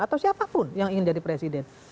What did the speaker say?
atau siapapun yang ingin jadi presiden